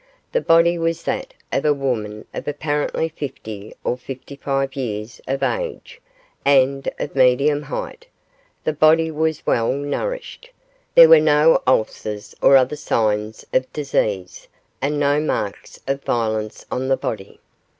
The body was that of a woman of apparently fifty or fifty five years of age, and of medium height; the body was well nourished. There were no ulcers or other signs of disease, and no marks of violence on the body.